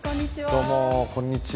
どうもこんにちは。